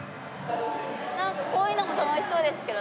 なんかこういうのも楽しそうですけどね。